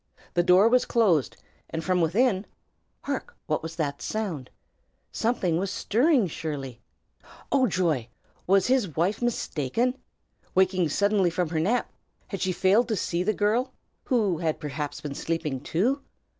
The door was closed, and from within hark! what was that sound? Something was stirring, surely. Oh, joy! was his wife mistaken? Waking suddenly from her nap, had she failed to see the girl, who had perhaps been sleeping, too?